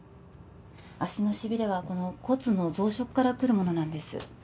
足のしびれはこの骨の増殖からくるものなんです